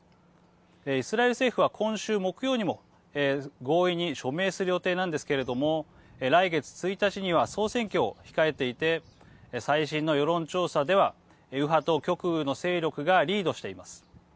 イスラエル政府は、今週木曜にも合意に署名する予定なんですけれども来月１日には総選挙を控えていて最新の世論調査では右派と極右の勢力がリードしています。